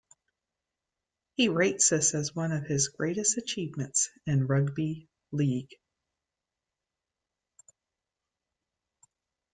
He rates this as one of his greatest achievements in rugby league.